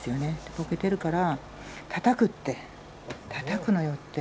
ぼけてるから、たたくって、たたくのよって。